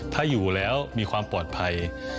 ถ้าอยู่แล้วมีความปลอดภัย